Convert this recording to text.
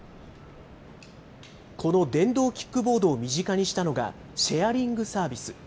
この電動キックボードを身近にしたのが、シェアリングサービス。